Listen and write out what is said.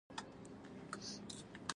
افغان خلک خورا مهربان او مېلمه پال خلک دي